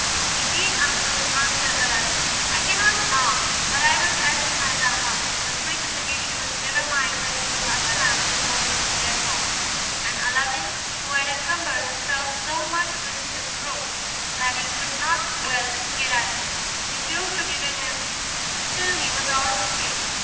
"Indeed, uncle," answered Aladdin, "I cannot now, but I will as soon as I am up." The African magician was determined that he would have the lamp before he would help him up; and Aladdin, who had encumbered himself so much with his fruit that he could not well get at it, refused to give it him till he was out of the cave.